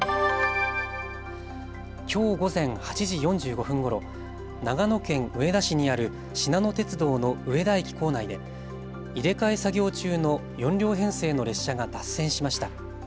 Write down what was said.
きょう午前８時４５分ごろ、長野県上田市にあるしなの鉄道の上田駅構内で入れ替え作業中の４両編成の列車が脱線しました。